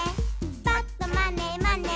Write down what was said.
「ぱっとまねまね」